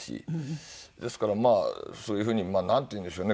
ですからまあそういうふうになんていうんでしょうね。